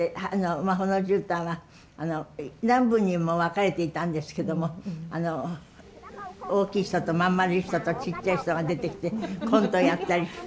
「魔法のじゅうたん」は何部にも分かれていたんですけども大きい人と真ん丸い人とちっちゃい人が出てきてコントやったりして。